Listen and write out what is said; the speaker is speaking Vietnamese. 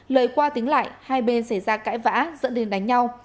lời qua tính lại hai bên xảy ra cãi vã dẫn đến đánh nhau